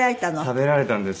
食べられたんですよ。